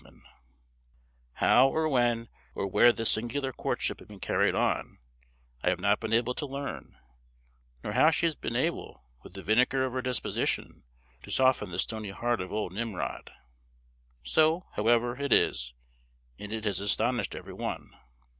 [Illustration: A Maiden Confession] How, or when, or where this singular courtship had been carried on, I have not been able to learn; nor how she has been able, with the vinegar of her disposition, to soften the stony heart of old Nimrod; so, however, it is, and it has astonished every one.